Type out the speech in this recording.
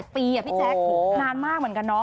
ปีอะพี่แจ๊คนานมากเหมือนกันเนาะ